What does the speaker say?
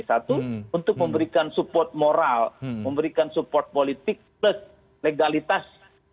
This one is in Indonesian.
satu untuk memberikan support moral memberikan support politik plus legalitas